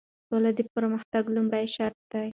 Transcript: سوله د پرمختګ لومړی شرط دی.